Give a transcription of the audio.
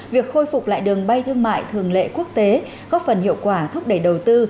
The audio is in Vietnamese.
việc khôi phục lại đường bay thương mại thường lệ quốc tế góp phần hiệu quả thúc đẩy đầu tư